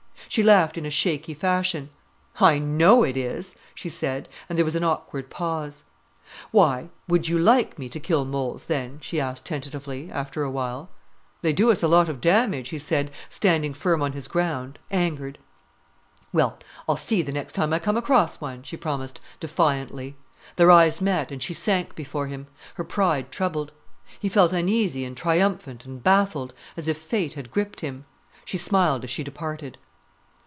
She laughed in a shaky fashion. "I know it is," she said; and there was an awkward pause. "Why, would you like me to kill moles then?" she asked tentatively, after a while. "They do us a lot of damage," he said, standing firm on his own ground, angered. "Well, I'll see the next time I come across one," she promised, defiantly. Their eyes met, and she sank before him, her pride troubled. He felt uneasy and triumphant and baffled, as if fate had gripped him. She smiled as she departed.